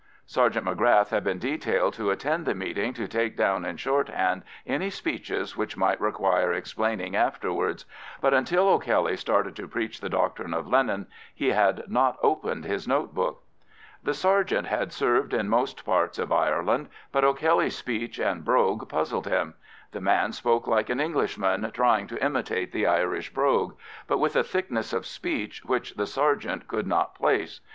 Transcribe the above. Sergeant M'Grath had been detailed to attend the meeting to take down in shorthand any speeches which might require explaining afterwards, but until O'Kelly started to preach the doctrine of Lenin he had not opened his notebook. The sergeant had served in most parts of Ireland, but O'Kelly's speech and brogue puzzled him: the man spoke like an Englishman trying to imitate the Irish brogue, but with a thickness of speech which the sergeant could not place.